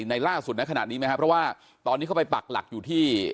ในล่าสุดในขณะนี้ไหมครับเพราะว่าตอนนี้เขาไปปักหลักอยู่ที่